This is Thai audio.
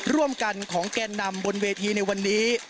ร่วมกันของแกนนำบนเวทีในวันนี้